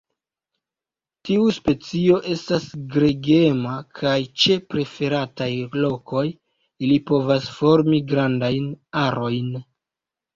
Tiu specio estas gregema, kaj ĉe preferataj lokoj ili povas formi grandajn arojn.